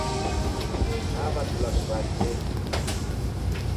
Naw'adilwa kiw'achenyi.